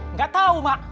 nggak tahu mak